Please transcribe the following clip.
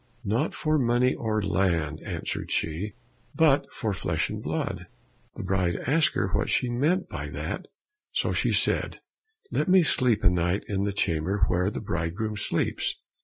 "Not for money or land," answered she, "but for flesh and blood." The bride asked her what she meant by that, so she said, "Let me sleep a night in the chamber where the bridegroom sleeps."